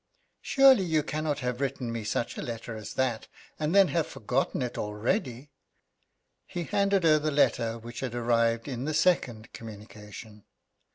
"Surely you cannot have written me such a letter as that, and then have forgotten it already?" He handed her the letter which had arrived in the second communication.